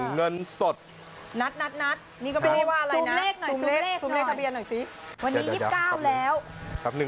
เปิดประตูเข้าไปด้วย